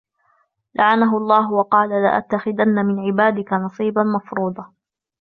لعنه الله وقال لأتخذن من عبادك نصيبا مفروضا